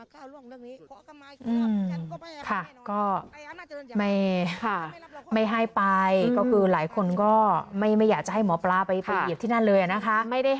ค่ะก็ไม่ค่ะไม่ให้ไปก็คือหลายคนก็ไม่อยากจะให้หมอปลาไปเหยียบที่นั่นเลยนะคะ